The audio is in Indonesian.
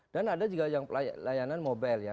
dan ada juga yang layanan mobil ya